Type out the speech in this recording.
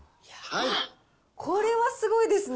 これはすごいですね。